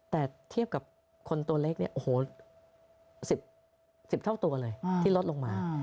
แต่เทียบกับคนตัวเล็กเนี่ยโอ้โห๑๐เท่าตัวเลยที่ลดลงมา